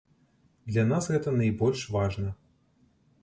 Для нас гэта найбольш важна.